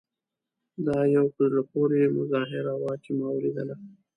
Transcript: دا یوه په زړه پورې مظاهره وه چې ما ولیدله.